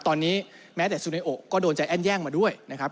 ตอนนี้แม้แต่ซูเนโอก็โดนใจแอ้นแย่งมาด้วยนะครับ